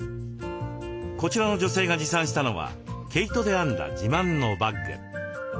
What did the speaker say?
こちらの女性が持参したのは毛糸で編んだ自慢のバッグ。